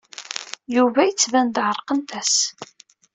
Yuba yettban-d ɛerqent-as.